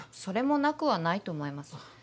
それもなくはないと思います。